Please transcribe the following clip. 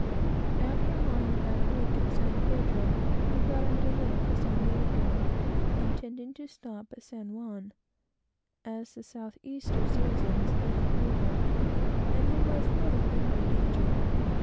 We lay about a week in San Pedro, and got under weigh for San Diego, intending to stop at San Juan, as the south easter season was nearly over, and there was little or no danger.